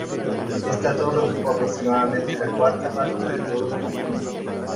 Esta torre ocupa aproximadamente la cuarta parte de todo el conjunto.